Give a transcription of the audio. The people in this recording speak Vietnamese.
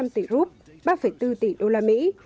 ba trăm linh tỷ rút ba bốn tỷ đô la mỹ